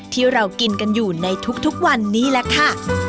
ที่เรากินกันอยู่ในทุกวันนี้แหละค่ะ